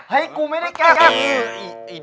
เฮ้ยกูไม่ได้แกล้งเพื่อน